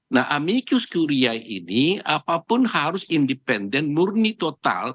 nah amedicus curia ini apapun harus independen murni total